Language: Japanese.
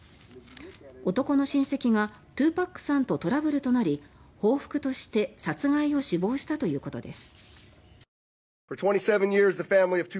男の親戚が２ＰＡＣさんとトラブルとなり報復として殺害を首謀したということです。